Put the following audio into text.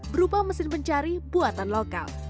berupa mesin pencari buatan lokal